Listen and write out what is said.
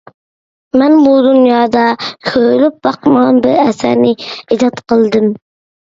مەن بۇ دۇنيادا كۆرۈلۈپ باقمىغان بىر ئەسەرنى ئىجاد قىلدىم.